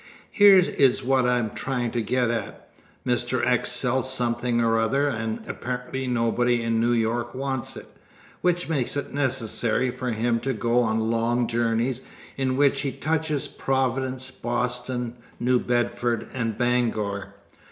Here is what I am trying to get at. Mr. X sells something or other, and apparently nobody in New York wants it, which makes it necessary for him to go on long journeys in which he touches Providence, Boston, New Bedford, and Bangor.